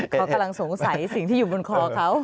เขากำลังสงสัยสิ่งที่อยู่บนคอเขา